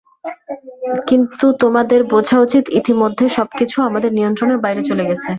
কিন্তু তোমাদের বোঝা উচিৎ ইতোমধ্যেই সবকিছু আমাদের নিয়ন্ত্রণের বাইরে চলে গেছে!